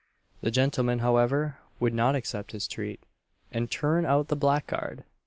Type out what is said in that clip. The gentlemen, however, would not accept his treat, and "Turn out the blackguard!"